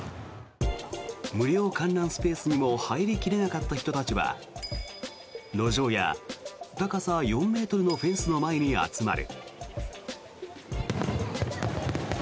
無料観覧スペースにも入り切れなかった人たちは路上や高さ４ｍのフェンスの前に集まる。